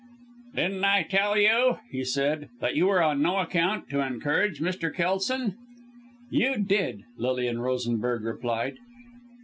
"Didn't I tell you," he said, "that you were on no account to encourage Mr. Kelson?" "You did!" Lilian Rosenberg replied.